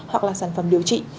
hoặc là sản phẩm điều trị